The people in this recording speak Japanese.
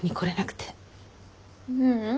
ううん。